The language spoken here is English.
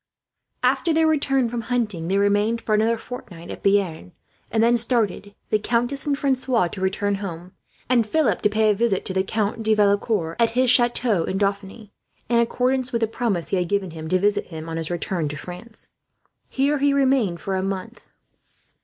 After their return from hunting, they remained for another fortnight at Bearn; and then started, the countess and Francois to return home, and Philip to pay a visit to the Count de Valecourt, at his chateau in Dauphiny, in accordance with the promise he had given him to visit him on his return to France. Here he remained for a month.